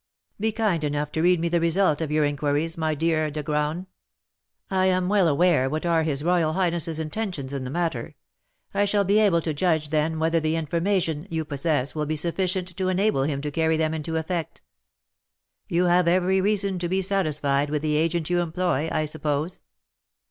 "Be kind enough to read me the result of your inquiries, my dear De Graün. I am well aware what are his royal highness's intentions in the matter; I shall be able to judge then whether the information you possess will be sufficient to enable him to carry them into effect. You have every reason to be satisfied with the agent you employ, I suppose?"